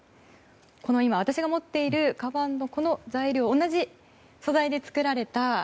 この今、私が持っているかばんのこの材料同じ素材で作られた。